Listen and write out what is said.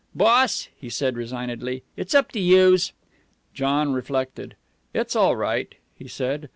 "Boss," he said resignedly, "it's up to youse." John reflected. "It's all right," he said.